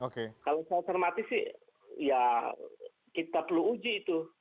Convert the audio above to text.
kalau saya cermati sih ya kita perlu uji itu